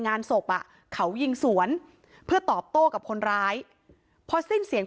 งานศพอ่ะเขายิงสวนเพื่อตอบโต้กับคนร้ายพอสิ้นเสียง